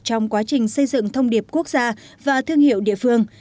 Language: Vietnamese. trong quá trình xây dựng thông điệp quốc gia và thương hiệu địa phương